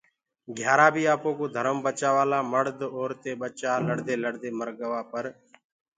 گھيآرآ بيٚ آپوڪو ڌرم بچآوآ لآ مڙد اورتينٚ ٻچآ لڙدي لڙدي مرگوآ پر